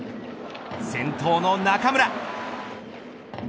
先頭の中村。